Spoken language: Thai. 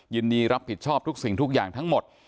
ยินดีรับผิดชอบทุกสิ่งทุกอย่างทั้งหมด